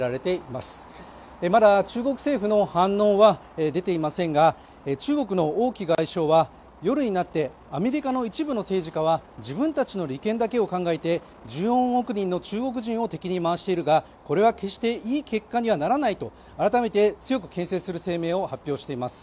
まだ、中国政府の反応は出ていませんが中国の王毅外相は夜になって、アメリカの一部の政治家は自分たちの利権だけを考えて１４億人の中国人を敵に回しているが、これは決して、いい結果にならないと改めて強くけん制する声明を発表しています。